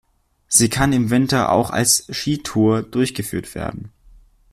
Sie kann im Winter auch als Skitour durchgeführt werden.